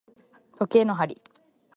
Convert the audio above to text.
時計の針